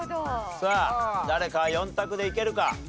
さあ誰か４択でいけるか？